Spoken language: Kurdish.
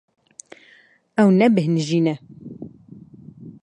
Ew nebêhnijî ne.